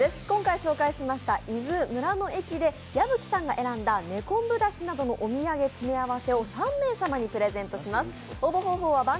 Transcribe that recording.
今回紹介しました伊豆・村の駅で矢吹さんが選んだねこんぶだしなどのお土産詰め合わせを３名様にプレゼントします。